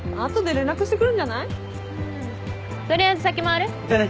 取りあえず先回る？だね！